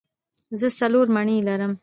زه څلور مڼې لرم.